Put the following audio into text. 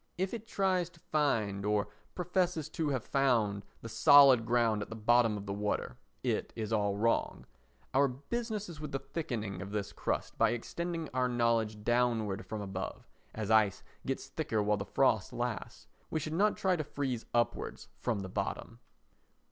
If it tries to find, or professes to have found, the solid ground at the bottom of the water, it is all wrong. Our business is with the thickening of this crust by extending our knowledge downward from above, as ice gets thicker while the frost lasts; we should not try to freeze upwards from the bottom.